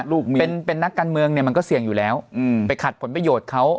เป็นนักการเมืองเนี่ยมันก็เสี่ยงอยู่แล้วไปขัดผลประโยชน์เขา